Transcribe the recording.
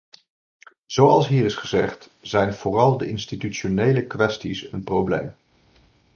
Zoals hier is gezegd, zijn vooral de institutionele kwesties een probleem.